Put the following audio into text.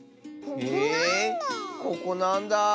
へえここなんだ。